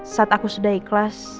saat aku sudah ikhlas